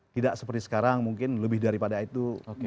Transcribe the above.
tidak seperti sekarang mungkin lebih daripada itu